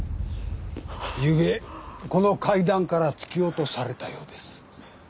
ゆうべこの階段から突き落とされたようです。